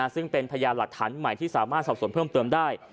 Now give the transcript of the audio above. ซึ่งเป็นพยานหลักฐานใหม่ที่สามารถสอบส่วนเพิ่มเติมได้